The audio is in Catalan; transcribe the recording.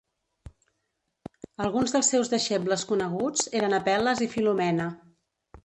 Alguns dels seus deixebles coneguts eren Apel·les i Filomena.